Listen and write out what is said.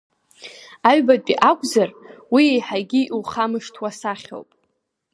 Аҩбатәи акәзар, уи еиҳагьы иухамышҭуа сахьоуп…